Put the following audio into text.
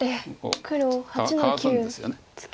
黒８の九ツケ。